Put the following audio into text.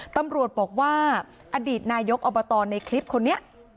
ตำรวจบอกว่าอดีตนายกอบตในคลิปคนนี้